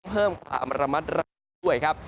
เพิ่มความระมัดระวังด้วยครับ